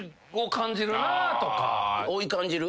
老い感じる？